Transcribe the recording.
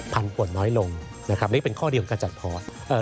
พันธุ์ป่นน้อยลงนะครับนี่เป็นข้อดีของการจัดพอร์ต